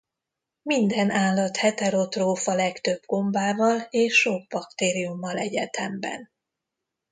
Minden állat heterotróf a legtöbb gombával és sok baktériummal egyetemben.